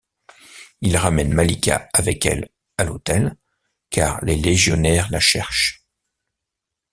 Il ramène Malika avec elle à l'hôtel car les légionnaires la cherchent.